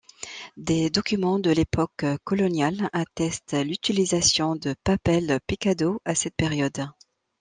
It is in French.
Des documents de l'époque coloniale attestent l'utilisation de papel picado à cette période.